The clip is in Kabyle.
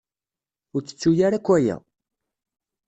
Ur ttettu ara akk aya.